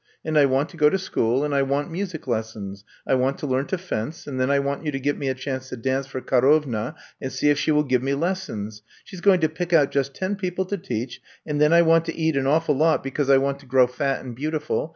And I want to go to school and I want music les sons. I want to learn to fence and then I want you to get me a chance to dance for Karovna, and see if she will give me les sons. She 's going to pick out just ten peo ple to teach, and then I want to eat an awful lot because I want to grow fat and beautiful.